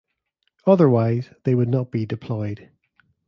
Otherwise, they would not be deployed.